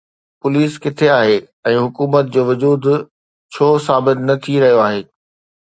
Police ڪٿي آهي ۽ حڪومت جو وجود ڇو ثابت نه ٿي رهيو آهي؟